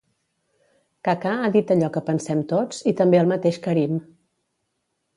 Kaká ha dit allò que pensem tots i també el mateix Karim.